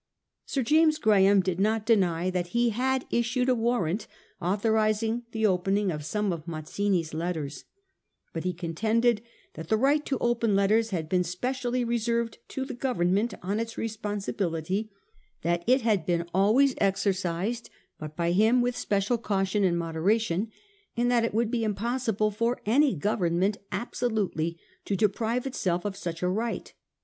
Sir James Graham did not deny that he had issued a warrant authorising the opening of some of Mazzini's letters ; but he con tended that the' right to open letters had been specially reserved to the Government on its responsibility, that it had been always exercised, but by him with special caution and moderation ; and that it would be impos sible for any Government absolutely to deprive itself of such a right.